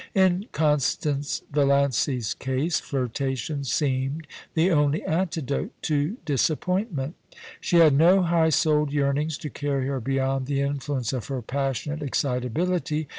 In Constance Valiancy's case flirtation seemed the only antidote to disappointment She had no high souled yearnings to carry her beyond the influence of her passionate excitability.